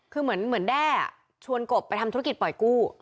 คือเหมือนแด้ชวนกบไปทำธุรกิจปล่อยกู้